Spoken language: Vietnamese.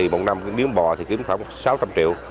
một năm miếng bò thì kiếm khoảng sáu trăm linh triệu